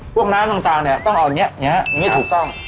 พวกน้ำต่างเนี่ยต้องเอาอย่างนี้อย่างนี้ถูกต้อง